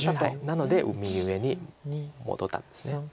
なので右上に戻ったんです。